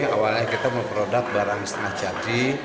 awalnya kita memproduk barang setengah janji